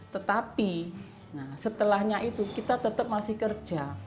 tetapi setelahnya itu kita tetap masih kerja